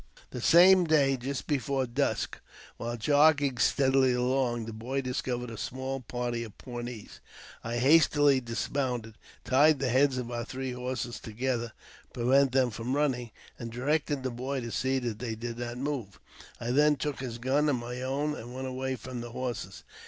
The same day, just before dusk, while jogging steadily along, the boy discovered a small party of Pawnees. I hastily dis mounted, and tied the heads of our three horses together, to prevent them running, and directed the boy to see that they did not move. I then took his gun and my own, and went away from the horses.